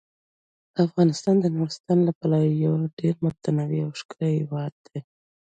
افغانستان د نورستان له پلوه یو ډیر متنوع او ښکلی هیواد دی.